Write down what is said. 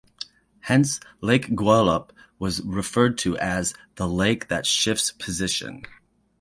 Hence, Lake Gwelup was referred to as "the lake that shifts position".